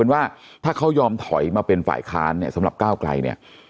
ว่าถ้าเขายอมถอยมาเป็นฝ่ายค้านเนี่ยสำหรับก้าวไกลเนี่ย